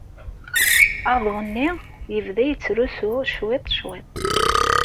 Aḍu-nni yebda yettrusu cwiṭ, cwiṭ.